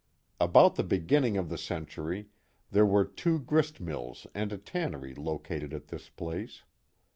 About the beginning of the century there were two grist mills and a tannery located at this place.